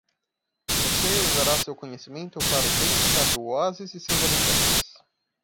Você usará seu conhecimento para o bem-estar do oásis e seus habitantes.